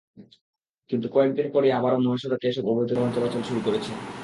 কিন্তু কয়েক দিন পরই আবারও মহাসড়কে এসব অবৈধ যানবাহন চলাচল শুরু করেছে।